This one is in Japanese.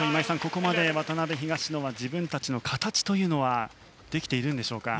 ここまで渡辺、東野は自分たちの形というのはできているんでしょうか？